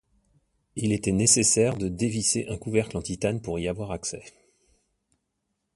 Il était nécessaire de dévisser un couvercle en titane pour y avoir accès.